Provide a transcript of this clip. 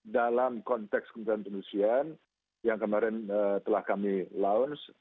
dalam konteks kebutuhan kebutuhan yang kemarin telah kami launce